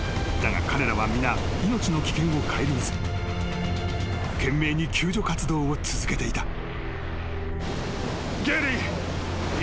［だが彼らは皆命の危険を顧みず懸命に救助活動を続けていた］